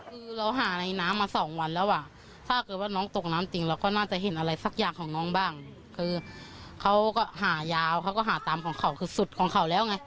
คือเราหาในน้ำมาสองวันแล้ว